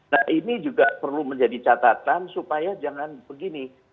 nah ini juga perlu menjadi catatan supaya jangan begini